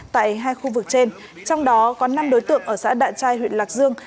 tại hai khu vực trên trong đó có năm đối tượng ở xã đạ trai huyện lạc dương